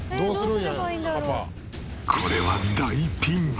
これは大ピンチ！